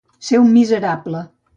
Ser un miserable.